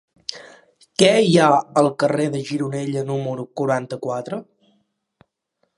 Què hi ha al carrer de Gironella número quaranta-quatre?